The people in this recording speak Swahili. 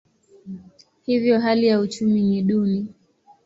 Hivyo hali ya uchumi ni duni.